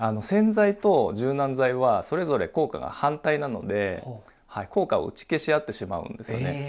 洗剤と柔軟剤はそれぞれ効果が反対なので効果を打ち消し合ってしまうんですよね。